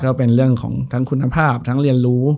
ก็เป็นเรื่องของทั้งคุณภาพทั้งเรียนรู้